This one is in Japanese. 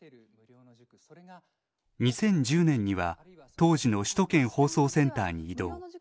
２０１０年には当時の首都圏放送センターに異動。